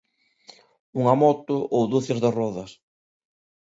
Unha moto ou ducias de rodas.